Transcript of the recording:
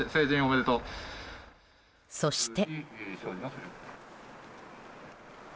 そして。